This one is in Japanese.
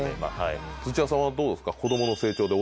土屋さんはどうですか？